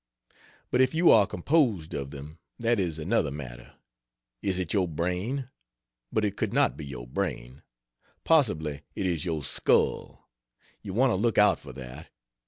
But if you are composed of them, that is another matter. Is it your brain? But it could not be your brain. Possibly it is your skull: you want to look out for that.